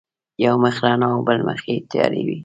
یو مخ رڼا او بل مخ یې تیار وي.